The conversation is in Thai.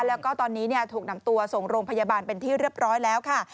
แล้วก็ตอนนี้ถูกนำตัวส่งโรงพยาบาลเป็นที่เรียบร้อยแล้วค่ะ